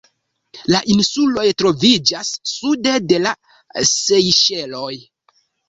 La insuloj troviĝas sude de la Sejŝeloj.